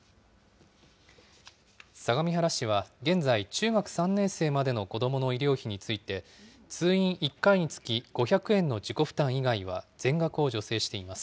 相模原市は現在、中学３年生までの子どもの医療費について、通院１回につき５００円の自己負担以外は全額を助成しています。